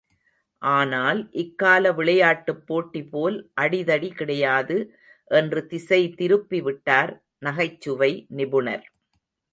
ஆனால் இக்கால விளையாட்டுப் போட்டி போல் அடிதடி கிடையாது என்று திசை திருப்பி விட்டார், நகைச்சுவை நிபுணர்.